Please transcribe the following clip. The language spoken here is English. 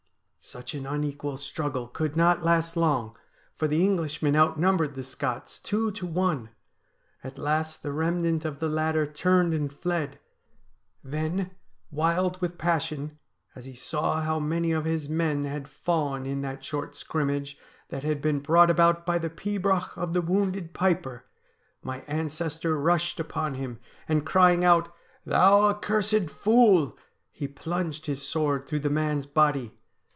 ' Such an unequal struggle could not last long, for the Englishmen outnumbered the Scots two to one. At last the remnant of the latter turned and fled. Then, wild with passion, as he saw how many of his men had fallen in that short scrimmage that had been brought about by the pibroch of the wounded piper, my ancestor rushed upon him, and crying out, "Thou accursed fool!" he plunged his sword through the man's body.